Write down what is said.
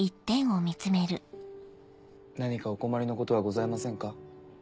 何かお困りのことはございませんか？